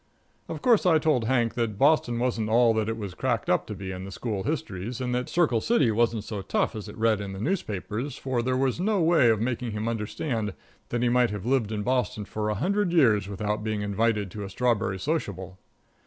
Of course I told Hank that Boston wasn't all that it was cracked up to be in the school histories, and that Circle City wasn't so tough as it read in the newspapers, for there was no way of making him understand that he might have lived in Boston for a hundred years without being invited to a strawberry sociable.